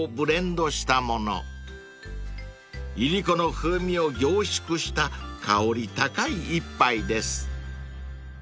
［いりこの風味を凝縮した香り高い一杯です］